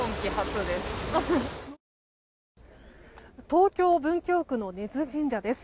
東京・文京区の根津神社です。